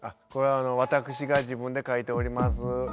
これはわたくしが自分で書いております。